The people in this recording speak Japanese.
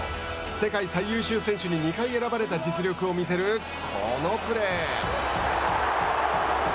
世界最優秀選手に２回選ばれた実力を見せるこのプレー。